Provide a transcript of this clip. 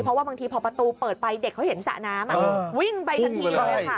เพราะว่าบางทีพอประตูเปิดไปเด็กเขาเห็นสระน้ำวิ่งไปทันทีเลยค่ะ